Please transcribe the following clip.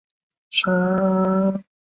杜预认为知盈是知朔的弟弟。